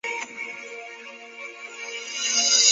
比塔朗伊什是葡萄牙波尔图区的一个堂区。